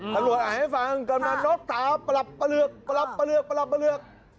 ฐรวจอ่านให้ฟังกำนันนกตาประลับประเลือกประลับประเลือกประลับประเลือก